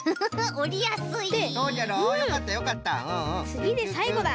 つぎでさいごだ。